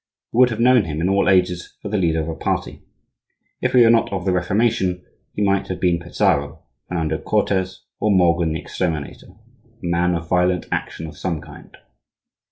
You would have known him in all ages for the leader of a party. If he were not of the Reformation, he might have been Pizarro, Fernando Cortez, or Morgan the Exterminator,—a man of violent action of some kind.